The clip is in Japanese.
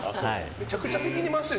めちゃくちゃ敵に回したよ